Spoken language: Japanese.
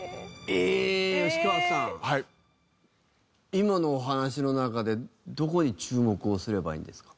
今のお話の中でどこに注目をすればいいんですか？